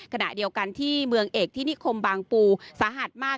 ขณะเดียวกันที่เมืองเอกที่นิคมบางปูสาหัสมาก